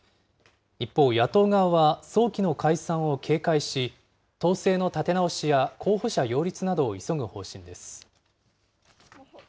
一方、野党側は早期の解散を警戒し、党勢の立て直しや候補者擁立などを急ぐ方針です。